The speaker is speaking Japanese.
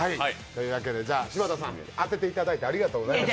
じゃ、柴田さん、当てていただいてありがとうございます。